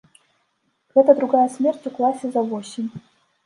Гэта другая смерць у класе за восень.